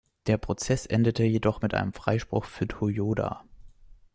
Der Prozess endete jedoch mit einem Freispruch für Toyoda.